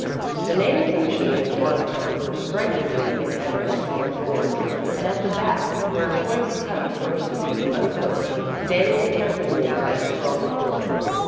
The name of the machine and the monogram were strikingly in evidence on the doors and at the back, where a choice cut of roast beef, uncooked, dangled temptingly by a strong cord.